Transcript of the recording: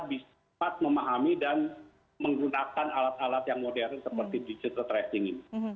bisa cepat memahami dan menggunakan alat alat yang modern seperti digital tracing ini